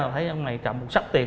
thấy ông này trả một sắp tiền